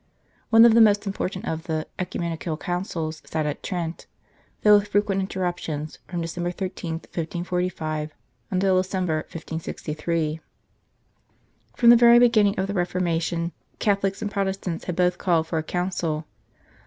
One of the most important of the (Ecumenical Councils sat at Trent, though with frequent interruptions, from December 13, 1545, until December n, 1563. From the very beginning of the Reformation, Catholics and Protestants had both called for a Council.